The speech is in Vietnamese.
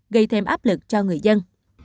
gây thêm áp lực cho người dân